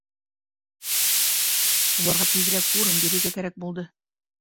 Уларға тиҙерәк урын бирергә кәрәк булды...